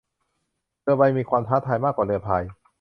เรือใบมีความท้าทายมากกว่าเรือพาย